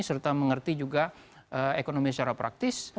serta mengerti juga ekonomi secara praktis